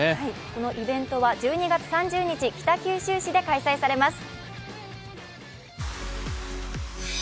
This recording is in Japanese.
このイベントは１２月３０日北九州市で開催されます。